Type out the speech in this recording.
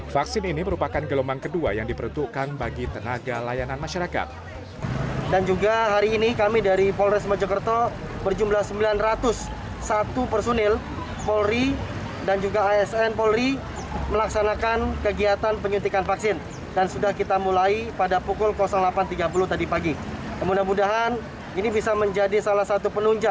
vaksin ini merupakan gelombang kedua yang diperuntukkan bagi tenaga layanan masyarakat